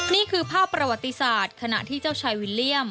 นี่คือภาพประวัติศาสตร์ขณะที่เจ้าชายวิลเลี่ยม